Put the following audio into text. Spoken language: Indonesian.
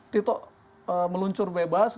tidak meluncur bebas